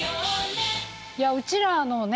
いやうちらのね